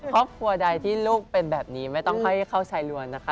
ครอบครัวใดที่ลูกเป็นแบบนี้ไม่ต้องค่อยเข้าชายลวนนะคะ